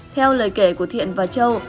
theo lời kể của thiện và châu